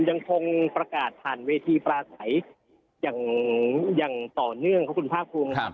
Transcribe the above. ยังคงประกาศผ่านเวทีปลาใสอย่างต่อเนื่องครับคุณภาคภูมิครับ